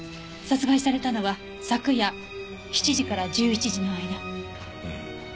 殺害されたのは昨夜７時から１１時の間。